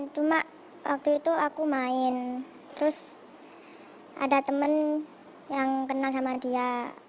cuma waktu itu aku main terus ada teman yang kenal sama dia